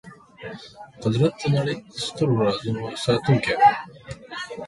قدرت د نړۍ د سترو رازونو ساتونکی دی.